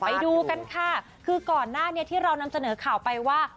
ไปดูกันค่ะคือก่อนหน้านี้ที่เรานำเสนอข่าวไปว่า